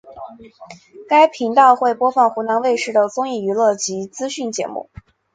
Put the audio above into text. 该频道会播放湖南卫视的综艺娱乐及资讯节目。